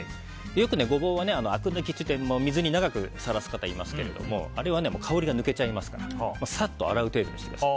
よくゴボウはあく抜きっていって水に長くさらす方がいますがあれは香りが抜けちゃいますからさっと洗う程度にしてください。